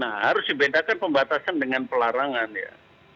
nah harus dibedakan pembatasan dengan pelarangan ya